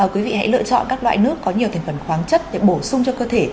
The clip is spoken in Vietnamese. quý vị hãy lựa chọn các loại nước có nhiều thành phần khoáng chất để bổ sung cho cơ thể